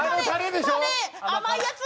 甘いやつ！